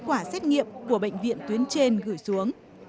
quả xét nghiệm của bệnh viện tuyến trên gửi xuống